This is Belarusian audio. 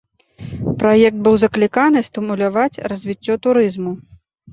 Праект быў закліканы стымуляваць развіццё турызму.